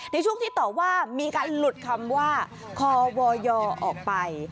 ในช่วงที่ตอบว่ามีการหลุดคำว่าควยออกไป